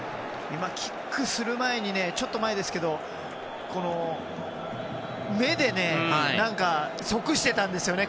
今、キックする前にねちょっと前ですけど目で何かそくしていたんですね。